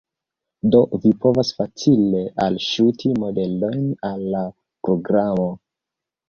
Do vi povas facile alŝuti modelojn al la programo